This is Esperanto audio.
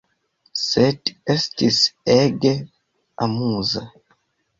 Sed estis ege amuza.